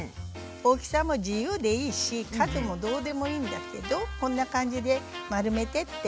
大きさも自由でいいし数もどうでもいいんだけどこんな感じで丸めてって。